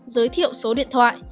giới thiệu số điện thoại